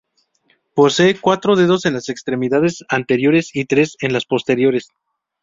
Poseen cuatro dedos en las extremidades anteriores y tres en las posteriores.